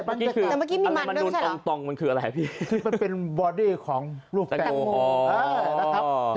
แต่เมื่อกี้มีหมันแล้วไม่ใช่เหรอมันคืออะไรพี่มันเป็นบอดี้ของลูกแจงโมท